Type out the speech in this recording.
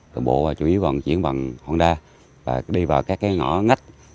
đường bộ chủ yếu vận chuyển bằng honda và đi vào các ngõ ngách